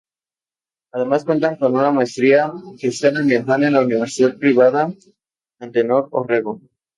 Además cuenta con un maestría Gestión Ambiental en la Universidad Privada Antenor Orrego.